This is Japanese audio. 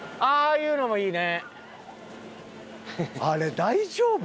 ああいうのもいいな。